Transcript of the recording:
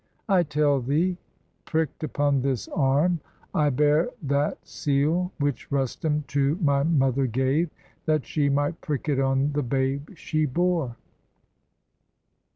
I tell thee, prick'd upon this arm I bear That seal which Rustum to my mother gave. That she might prick it on the babe she bore."